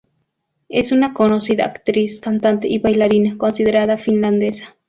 Es una conocida actriz, cantante y bailarina, considerada finlandesa.